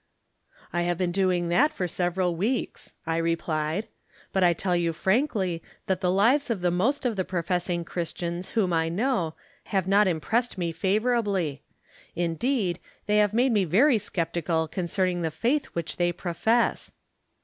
" I have been doing that for several weeks," I replied ;" but I tell you frankly that the lives of the most of the professing Christians whom I Icnow have not impressed me favorably. Indeed, they have made me very skeptical concerning the faith which they profess."